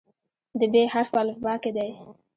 د "ب" حرف په الفبا کې دی.